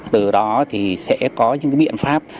từ đó thì sẽ có những biện pháp